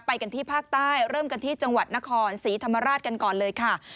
ไปกันที่ภาคใต้เริ่มกันที่จังหวัดนครศรีธรรมราชกันก่อนเลยค่ะ